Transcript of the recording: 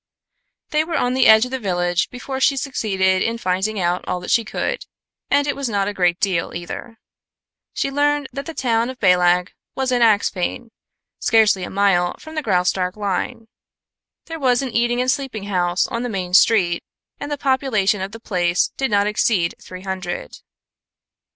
They were on the edge of the village before she succeeded in finding out all that she could, and it was not a great deal, either. She learned that the town of Balak was in Axphain, scarcely a mile from the Graustark line. There was an eating and sleeping house on the main street, and the population of the place did not exceed three hundred.